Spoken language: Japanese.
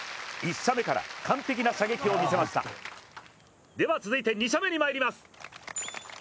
１射目から完璧な射撃を見せましたでは続いて２射目に入ります。